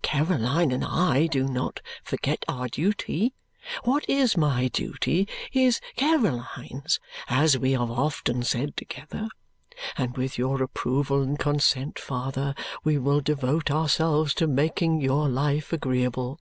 Caroline and I do not forget our duty what is my duty is Caroline's, as we have often said together and with your approval and consent, father, we will devote ourselves to making your life agreeable."